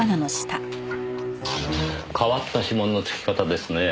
変わった指紋の付き方ですねえ。